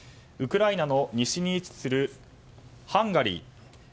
ウクライナの西に位置するハンガリー。